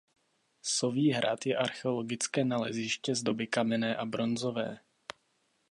Soví hrad je archeologické naleziště z doby kamenné a bronzové.